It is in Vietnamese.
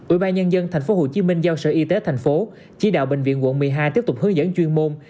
ủy ban nhân dân tp hcm giao sở y tế thành phố chỉ đạo bệnh viện quận một mươi hai tiếp tục hướng dẫn chuyên môn